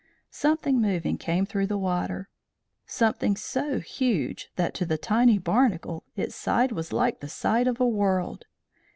Something moving came through the water, something so huge that to the tiny Barnacle its side was like the side of a world.